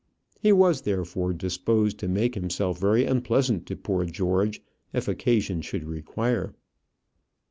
He was therefore disposed to make himself very unpleasant to poor George if occasion should require.